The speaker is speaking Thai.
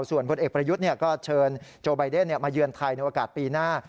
ส่วนพลเอกประยุทธ์ก็เชิญโจไบเดนมาเยือนไทยในโอกาสปีหน้า